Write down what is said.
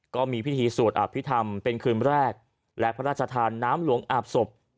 ก็มีพิธีสวดอภิษฐรรมเป็นคืนแรกและพระราชทานน้ำหลวงอาบศพ